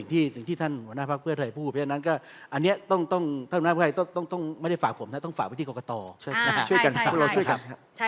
ท่านยังไม่ลืมนะว่ายังไม่ได้ตอบดีชันครับ